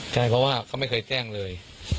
ใช่เพราะว่าเขาไม่เคยแจ้งเลย